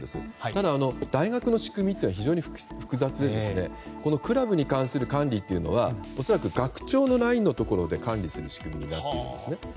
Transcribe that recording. ただ、大学の仕組みって非常に複雑でクラブに関する管理というのは恐らく学長の管理する仕組みになっているんですね。